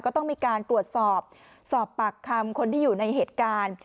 ก็ต้องมีการตรวจสอบสอบปากคำคนที่อยู่ในเหตุการณ์